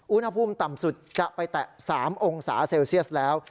อุณหภูมิต่ำสุดจะไปแตะ๓องศาเซลเซียสแล้ว